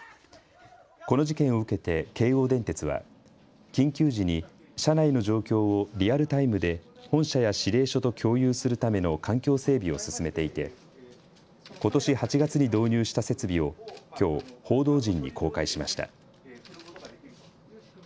この事件を受けて京王電鉄は緊急時に車内の状況をリアルタイムで本社や指令所と共有するための環境整備を進めていてことし８月に導入した設備をきょう報道陣に公開しました。